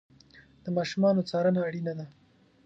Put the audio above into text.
د ماشومانو څارنه اړینه ده.